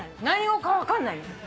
何語か分かんないの。